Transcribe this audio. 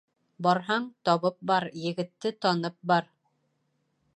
Барһаң, табып бар, егетте танып бар.